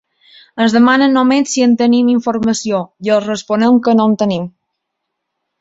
Ens demanen només si en tenim informació, i els responem que no en tenim.